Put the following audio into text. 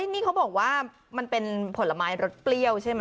นี่เขาบอกว่ามันเป็นผลไม้รสเปรี้ยวใช่ไหม